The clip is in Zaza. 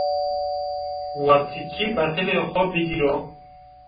Wa tîkê betilê xo bigîro